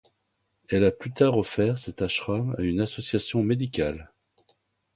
Elle a plus tard offert cet ashram à une association médicale.